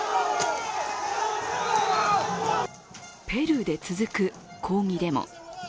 ペルーで続く抗議デモ。